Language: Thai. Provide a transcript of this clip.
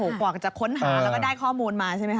กว่าจะค้นหาแล้วก็ได้ข้อมูลมาใช่ไหมค